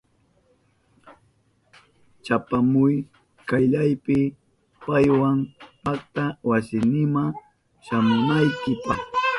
Chapamuy kayllapi paywa pakta wasinima shamunaykipa.